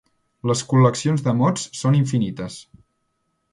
Les col·leccions de mots són infinites.